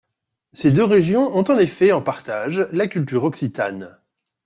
Ces deux régions ont en effet en partage la culture occitane.